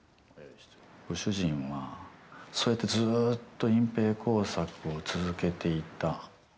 ご主人は、そうやってずっと隠蔽工作を続けていた。